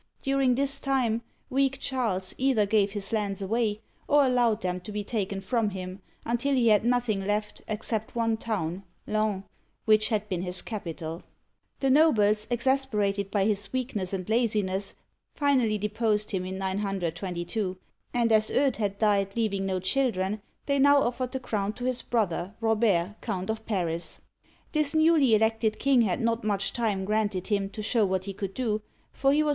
During this time, weak Charles either gave his lands away, or allowed them to be taken from him, until he had nothing left except one town (Laon), which had been his capital. 1 See Story of the English^ pp. 73 82. Digitized by VjOOQIC 98 OLD FRANCE The nobles, exasperated by his weakness and laziness, finally deposed him in 922, and as Eudes had died, leaving no children, they now offered the crown to his brother, Robert, Count of Paris. This newly elected king had not much time granted him to show what he could do, for he was.